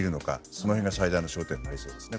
その辺が最大の焦点になりそうですね。